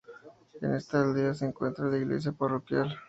En esta aldea se encuentra la iglesia parroquial.